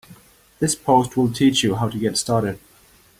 This post will teach you how to get started.